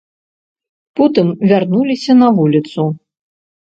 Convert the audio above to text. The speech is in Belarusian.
Потым вярнуліся на вуліцу.